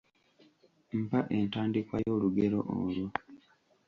Mpa entandikwa y’olugero olwo.